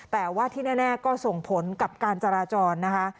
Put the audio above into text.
แต่ว่าที่แน่ก็ส่งผลกับการจราจรนะคะ